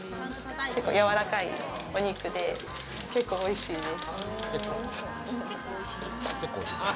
やわらかいお肉で結構おいしいです。